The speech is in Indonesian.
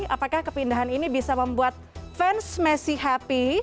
apakah kepindahan ini bisa membuat fans messi happy